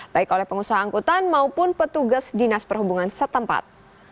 baik oleh pengusaha angkutan maupun petugas dinas perhubungan setempat